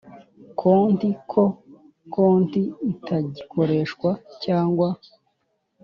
konti ko konti itagikoreshwa cyangwa